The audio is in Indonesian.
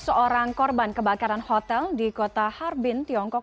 seorang korban kebakaran hotel di kota harbin tiongkok